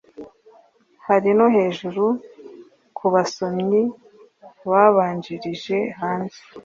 kuri no hejuru kubasomyi babanjirije hanze